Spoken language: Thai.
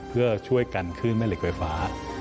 เพื่อช่วยกันขึ้นแม่เหล็กไฟฟ้า